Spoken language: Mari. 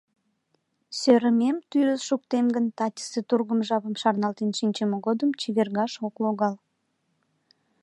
Сӧрымем тӱрыс шуктем гын, тачысе тургым жапым шарналтен шинчыме годым чевергаш ок логал.